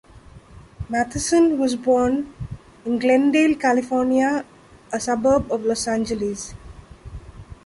Matheson was born in Glendale, California, a suburb of Los Angeles.